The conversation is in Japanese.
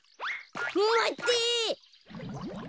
まって。